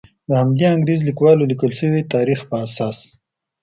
د همدې انګریز لیکوالو لیکل شوي تاریخ په اساس.